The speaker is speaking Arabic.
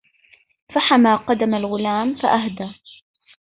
فحما قدم الغلام فأهدى